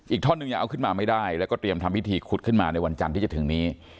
ท่อนหนึ่งยังเอาขึ้นมาไม่ได้แล้วก็เตรียมทำพิธีขุดขึ้นมาในวันจันทร์ที่จะถึงนี้